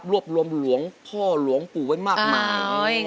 รวบรวมหลวงพ่อหลวงปู่ไว้มากมาย